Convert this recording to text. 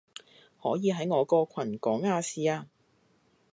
可以喺我個群講亞視啊